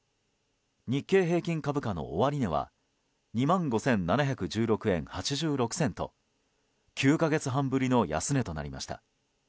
日経平均株価の終値は２万５７１６円８６銭と９か月半ぶりの安値となりました。